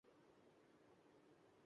کیونکہ معاشرے کو خطرے میں نہیں ڈال سکتے۔